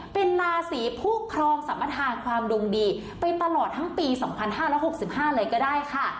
เป็นราศีผู้ครองสามทางความดุงดีไปตลอดทั้งปี๒๐๐๕และ๑๙๖๕เลยก็ได้ค่ะ